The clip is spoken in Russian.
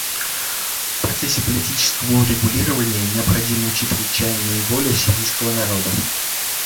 В процессе политического урегулирования необходимо учитывать чаяния и волю сирийского народа.